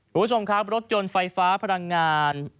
คุณผู้ชมครับรถยนต์ไฟฟ้าพลังงาน